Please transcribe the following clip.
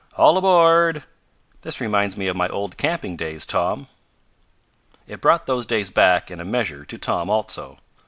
"All aboard! This reminds me of my old camping days, Tom." It brought those days back, in a measure, to Tom also.